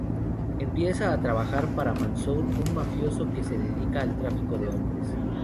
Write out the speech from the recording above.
Empieza a trabajar para Mansour, un mafioso que se dedica al tráfico de hombres.